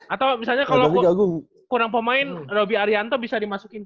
atau misalnya kalau kurang pemain roby arianto bisa dimasukin